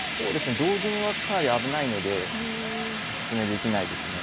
同銀はかなり危ないのでおすすめできないですね。